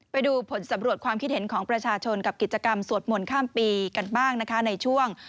ไปดูผลสำรวจความคิดเห็นของประชาชนกับกิจกรรมสวดมนต์ข้ามปีกันบ้างนะคะในช่วง